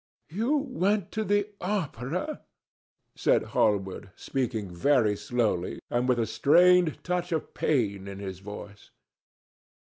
"You went to the opera?" said Hallward, speaking very slowly and with a strained touch of pain in his voice.